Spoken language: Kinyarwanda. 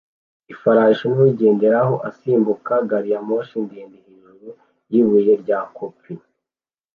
Ifarashi nuwagenderaho asimbuka gariyamoshi ndende hejuru yibuye rya kopi